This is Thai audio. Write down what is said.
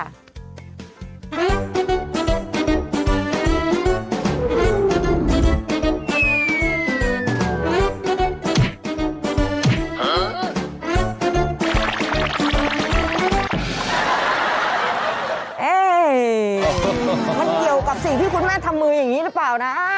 เกี่ยวกับสิ่งที่คุณแม่ทำมืออย่างนี้หรือเปล่านะ